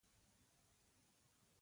د وفادارۍ اجبارونه دي.